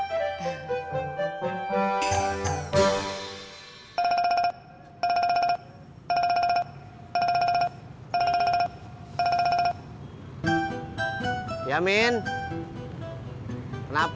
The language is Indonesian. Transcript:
emang jadinya terlalu banyak